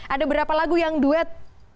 ada berapa lagu yang duet